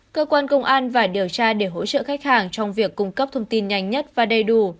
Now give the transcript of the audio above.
cơ quan công an và điều tra để hỗ trợ khách hàng trong việc cung cấp thông tin nhanh nhất và đầy đủ